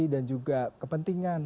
dan juga kepentingan